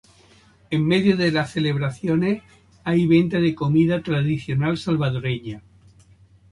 En medio de las celebraciones hay venta de comida tradicional salvadoreña.